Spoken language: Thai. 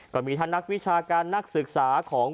ก็มีธนต์วิชาการนักศึกษาของ